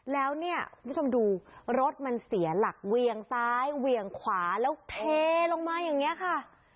แล้วเนี่ยคุณผู้ชมดูรถมันเสียหลักเวียงซ้ายเวียงขวาแล้วเทลงมาอย่างนี้ค่ะ